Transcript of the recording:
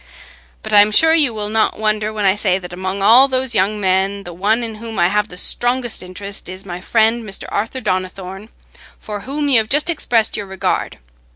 But I'm sure you will not wonder when I say that among all those young men, the one in whom I have the strongest interest is my friend Mr. Arthur Donnithorne, for whom you have just expressed your regard.